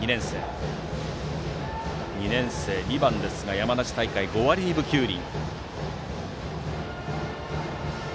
２年生、２番ですが山梨大会では５割２分９厘。